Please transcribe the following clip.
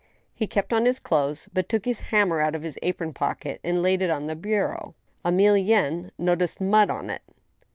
He. kept on his clothes, but took his hammer out of his apron pocket and laid it on the bureau. Emilienne noticed mud upon it.